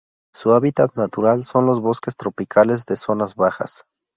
Su hábitat natural son los bosques tropicales de zonas bajas.